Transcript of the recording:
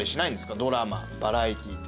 ドラマバラエティー。